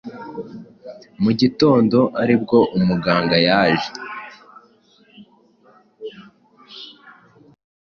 mu gitondo ari bwo umuganga yaje